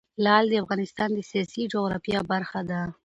لعل د افغانستان د سیاسي جغرافیه برخه ده.